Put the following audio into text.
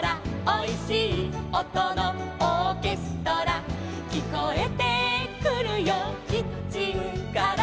「おいしいおとのオーケストラ」「きこえてくるよキッチンから」